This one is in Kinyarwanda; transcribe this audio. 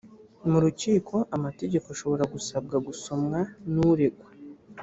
mu rukiko amategeko ashobora gusabwa gusomwa n’uregwa